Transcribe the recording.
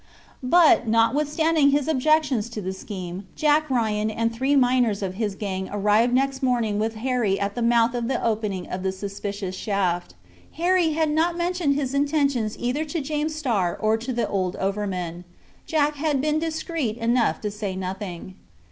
But, notwithstanding his objections to the scheme, Jack Ryan and three miners of his gang arrived next morning with Harry at the mouth of the opening of the suspicious shaft. Harry had not mentioned his intentions either to James Starr or to the old overman. Jack had been discreet enough to say nothing.